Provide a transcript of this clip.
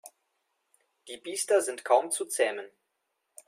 Die Biester sind kaum zu zähmen.